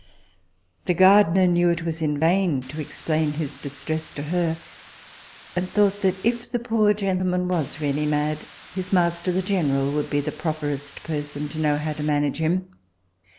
The gardiner knew it was in vain to explain his distress to her, and thought that if the poor gentleman was really mad, his master the general would be the properest person to know how to manage him.